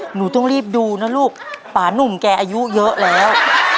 หนูต้องรีบดูนะลูกป่านุ่มแกอายุเยอะแล้ว